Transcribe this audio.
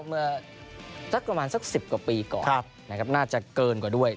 เมื่อสักประมาณสัก๑๐กว่าปีก่อนนะครับน่าจะเกินกว่าด้วย